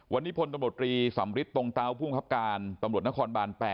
วันนี้พลตำรวจรีสัมฤทธิ์ตรงเต้าภูมิคับการสนบาล๘